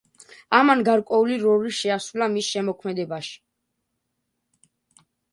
ამან გარკვეული როლი შეასრულა მის შემოქმედებაში.